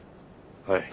はい。